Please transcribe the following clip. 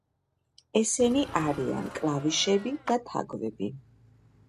ესენი არიან კლავიშები და თაგვი.